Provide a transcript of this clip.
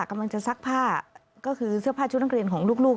กำลังจะซักผ้าก็คือเสื้อผ้าชุดนักเรียนของลูก